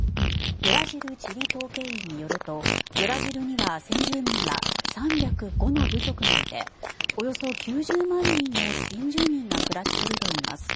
ブラジル地理統計院によるとブラジルには先住民ら３０５の部族がいておよそ９０万人の先住民が暮らしているといいます。